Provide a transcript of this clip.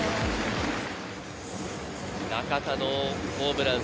中田のホームラン。